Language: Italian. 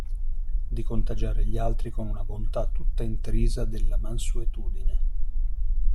Di contagiare gli altri con una bontà tutta intrisa della mansuetudine.